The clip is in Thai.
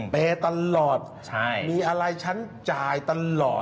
เปย์ตลอดมีอะไรฉันจ่ายตลอด